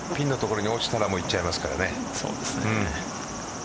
ピンのところに落ちたら行っちゃいますからね。